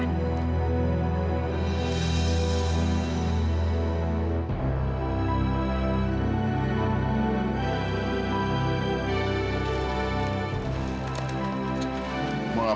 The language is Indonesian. selamat siang taufan